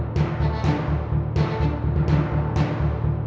ได้ครับ